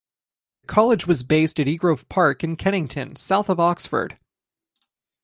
The College was based at Egrove Park in Kennington, south of Oxford.